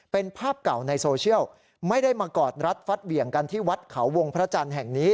เป็นภาพเก่าในโซเชียลไม่ได้มากอดรัดฟัดเหวี่ยงกันที่วัดเขาวงพระจันทร์แห่งนี้